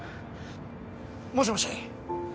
もしもし？